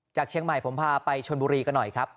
เชียงใหม่ผมพาไปชนบุรีกันหน่อยครับ